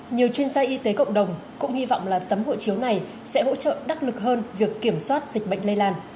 nhiều chuyên gia y tế cộng đồng cũng hy vọng là tấm hộ chiếu này sẽ hỗ trợ đắc lực hơn việc kiểm soát dịch bệnh lây lan